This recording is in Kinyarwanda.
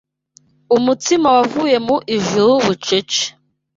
umutsima wavuye mu ijuru bucece